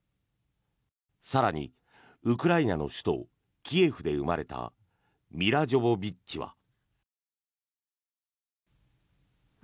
更に、ウクライナの首都キエフで生まれたミラ・ジョヴォヴィッチは。